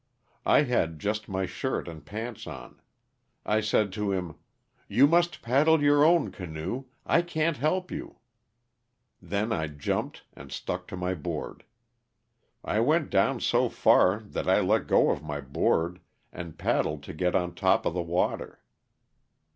I had just my shirt and pants on. I said to him, you must paddle your own canoe, I can't help you." Then I jumped and stuck to my board. I went down so far that I let go of my board and paddled to get on top of the water.